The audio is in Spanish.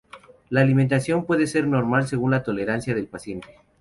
La alimentación puede ser normal según la tolerancia del paciente.